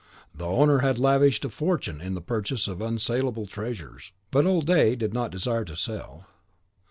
The owner had lavished a fortune in the purchase of unsalable treasures. But old D did not desire to sell.